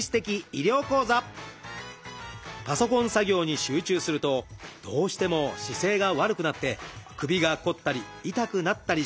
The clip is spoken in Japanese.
パソコン作業に集中するとどうしても姿勢が悪くなって首が凝ったり痛くなったりしますよね。